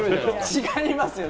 違いますよ！